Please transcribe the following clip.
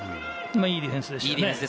いいディフェンスでしたね。